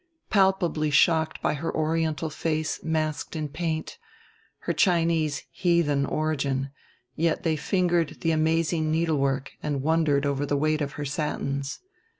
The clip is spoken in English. Palpably shocked by her Oriental face masked in paint, her Chinese "heathen" origin, yet they fingered the amazing needlework and wondered over the weight of her satins.